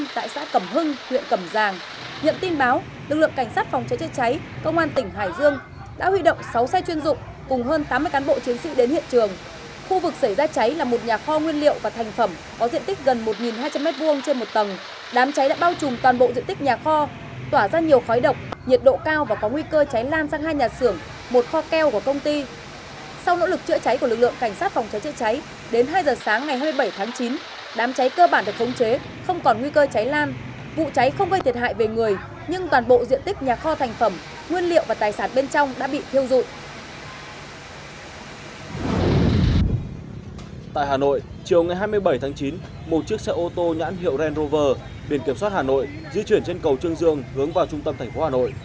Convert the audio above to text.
tại hà nội chiều ngày hai mươi bảy tháng chín một chiếc xe ô tô nhãn hiệu range rover biển kiểm soát hà nội di chuyển trên cầu trương dương hướng vào trung tâm thành phố hà nội